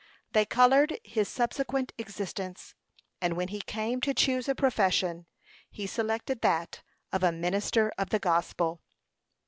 They colored his subsequent existence; and when he came to choose a profession, he selected that of a minister of the gospel.